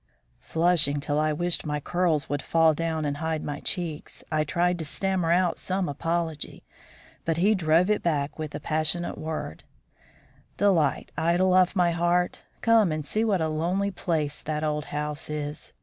Flushing till I wished my curls would fall down and hide my cheeks, I tried to stammer out some apology. But he drove it back with a passionate word: "Delight, idol of my heart, come and see what a lonely place that old house is.